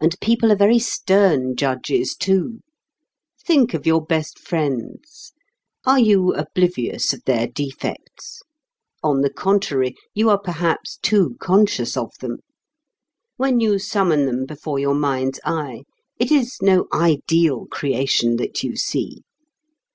And people are very stern judges, too. Think of your best friends are you oblivious of their defects? On the contrary, you are perhaps too conscious of them. When you summon them before your mind's eye, it is no ideal creation that you see.